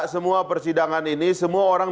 semua persidangan ini semua orang